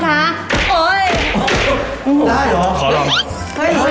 เฮ้ยอะไรงี้เนี่ยอันนี้อะไร